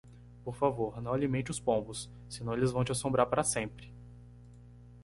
Por favor, não alimente os pombos, senão eles vão te assombrar para sempre!